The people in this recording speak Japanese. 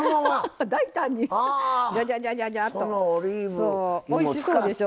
そうおいしそうでしょ。